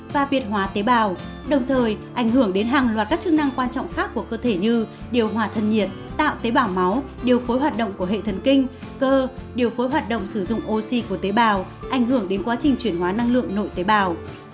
và việt hóa tế bào đồng thời ảnh hưởng đến hàng loạt các chức năng quan trọng khác của cơ thể như điều hòa thân nhiệt tạo tế bảo máu điều phối hoạt động của hệ thần kinh cơ điều phối hoạt động sử dụng oxy của tế bào ảnh hưởng đến quá trình chuyển hóa năng lượng nội tế bào